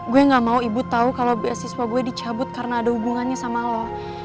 gue gak mau ibu tahu kalau beasiswa gue dicabut karena ada hubungannya sama lo